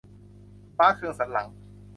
ฟ้าเคืองสันหลัง